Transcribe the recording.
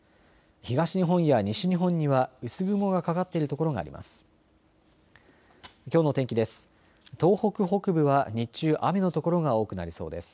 東日本や西日本には薄雲がかかっている所があります。